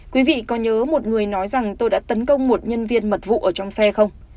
quý vị có nhớ một người nói rằng tôi đã tấn công một nhân viên mật vụ ở trong xe không